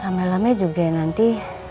lame lame juga ya nanti